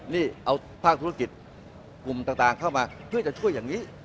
นี่เอาภาคธุรกิจกลุ่มต่างเข้ามาช่วยจะช่วยอย่างนี้